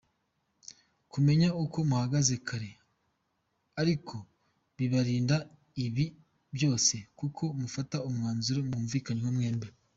Kumenya uko muhagaze kare ariko bibarinda ibi byose kuko mufata umwanzuro mwumvikanyeho mwembi.